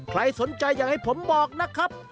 ใครสนใจอยากให้ผมบอกนะครับ